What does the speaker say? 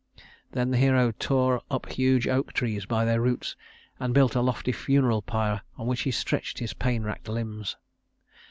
Then the hero tore up huge oak trees by their roots and built a lofty funeral pyre on which he stretched his pain wracked limbs.